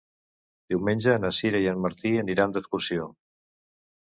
Diumenge na Sira i en Martí aniran d'excursió.